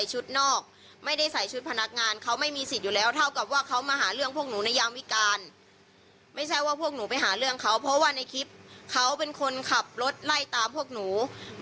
หนูจะต้องขับรถตามเขาไม่ใช่ว่าเขามาขับรถตามหนู